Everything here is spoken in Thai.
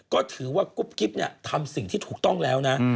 ก็ถือว่ากุ๊บกิ๊บเนี่ยทำสิ่งที่ถูกต้องแล้วนะ